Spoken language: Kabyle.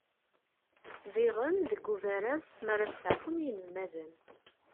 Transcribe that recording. Diɣen deg ubaraz, mi ara steɛfun yinelmaden.